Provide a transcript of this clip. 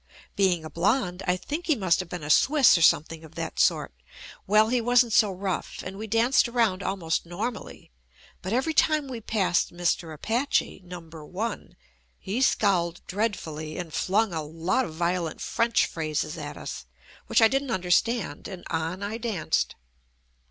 Being a blonde, I think he must have been a Swiss or something of that sort. Well, he wasn't so rough, and we danced around almost nor mally, but every time we passed Mr. Apache Number One, he scowled dreadfully and flung a lot of violent French phrases at us, which I didn't understand and on I danced.